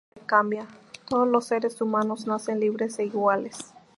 Ahora se cambia, "Todos los seres humanos nacen libres e iguales"".